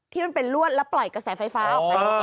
ที่มันเป็นลวดแล้วปล่อยกระแสไฟฟ้าออกไป